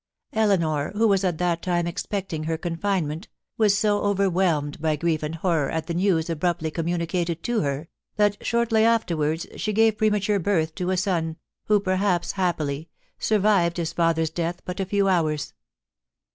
* Eleanor, who was at that time expecting her confinement, was so oven;<4ielmed by grief and horror at thetiews abruptly communicated to her, that shortly afterwards she gave pre mature birth to a son, who, perhaps happily, survived hb father's death but a few hours.